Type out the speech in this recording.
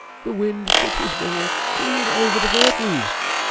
The wind took his ball clean over the fir trees."